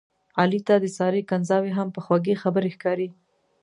علي ته د سارې کنځاوې هم په خوږې خبرې ښکاري.